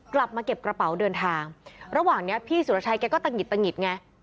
กลับมาเก็บกระเป๋าเดินทางระหว่างนี้พี่สุรชัยแกก็ตะหิดตะหิดไง